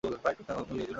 এখানে উকিলের নম্বর আছে।